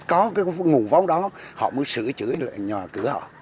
có cái nguồn vóng đó họ mới sửa chữ lại nhòa cửa họ